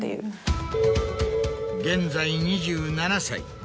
現在２７歳。